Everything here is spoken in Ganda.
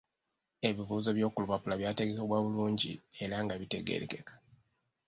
Ebibuuzo by’oku lupapula byategekebwa bulungi era nga bitegeerekeka.